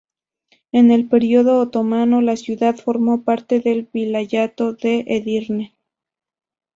En el periodo otomano, la ciudad formó parte del vilayato de Edirne.